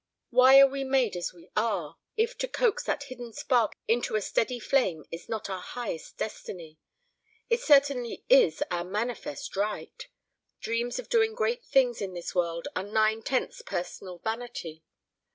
Why are we made as we are, if to coax that hidden spark into a steady flame is not our highest destiny? It certainly is our manifest right. ... Dreams of doing great things in this world are nine tenths personal vanity.